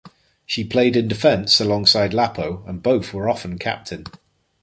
She played in defence alongside Lapo and both were often captain.